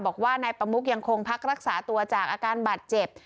บอกว่านายประมุกยังคงพักรักษาตัวจากอาการบาดเจ็บ